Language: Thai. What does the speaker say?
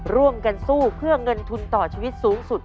ร่วมกันสู้เพื่อเงินทุนต่อชีวิตสูงสุด